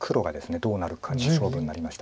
どうなるかの勝負になりました。